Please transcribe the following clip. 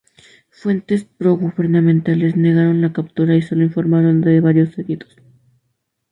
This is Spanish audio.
Fuentes progubernamentales negaron la captura y solo informaron de varios heridos.